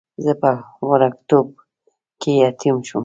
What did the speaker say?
زه په وړکتوب کې یتیم شوم.